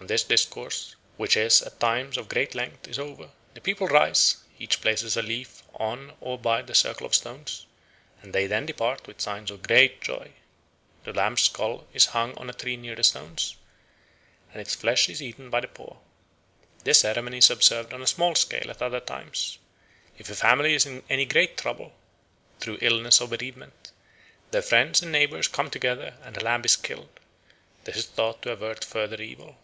... When this discourse, which is at times of great length, is over, the people rise, each places a leaf on or by the circle of stones, and then they depart with signs of great joy. The lamb's skull is hung on a tree near the stones, and its flesh is eaten by the poor. This ceremony is observed on a small scale at other times. If a family is in any great trouble, through illness or bereavement, their friends and neighbours come together and a lamb is killed; this is thought to avert further evil.